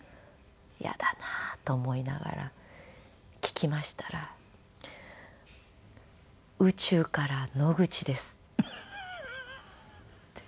嫌だなと思いながら聞きましたら「宇宙から野口です」って。